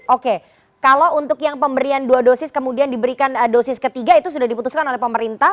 oke kalau untuk yang pemberian dua dosis kemudian diberikan dosis ketiga itu sudah diputuskan oleh pemerintah